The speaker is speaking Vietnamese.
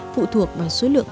phụ thuộc vào số lượng